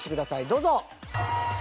どうぞ！